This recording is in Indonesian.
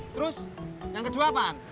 terus yang kejuapan